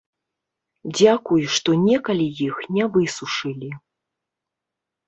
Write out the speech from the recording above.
Дзякуй, што некалі іх не высушылі.